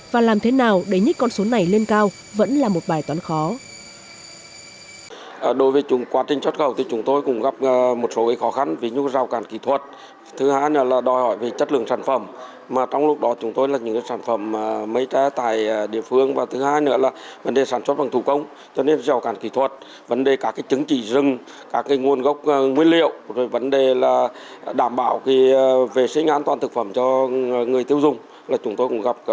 và làm thế nào để nhích con số này lên cao vẫn là một bài toán khó